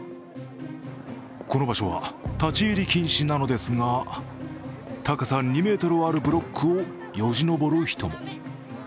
この場所は立ち入り禁止なのですが、高さ２ｍはあるブロックをよじ登る人も。